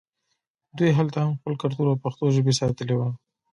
دوی هلته هم خپل کلتور او پښتو ژبه ساتلې وه